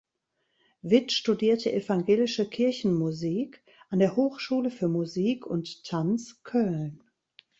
Witt studierte Evangelische Kirchenmusik an der Hochschule für Musik und Tanz Köln.